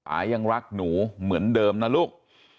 อายังรักหนูเหมือนเดิมนะลูก